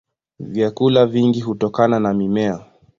Vyakula vingi hutokana na mimea.